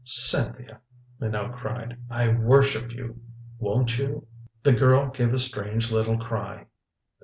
"Cynthia," Minot cried. "I worship you. Won't you " The girl gave a strange little cry.